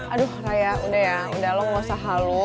aduh raya udah ya lo gak usah halu